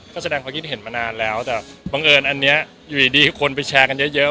ก็แสดงความคิดเห็นมานานแล้วแต่บังเอิญอันนี้อยู่ดีคนไปแชร์กันเยอะ